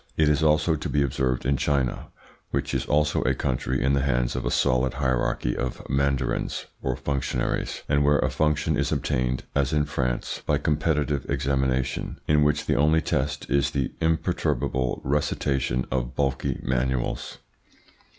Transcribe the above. It is also to be observed in China, which is also a country in the hands of a solid hierarchy of mandarins or functionaries, and where a function is obtained, as in France, by competitive examination, in which the only test is the imperturbable recitation of bulky manuals.